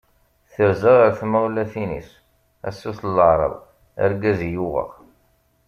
Terza ɣer tmawlatin-is, a sut leɛraḍ argaz i uɣeɣ.